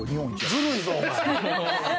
ずるいぞ、お前。